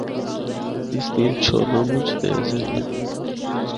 اس دیاں چُھولاں مُچ تیز ہن۔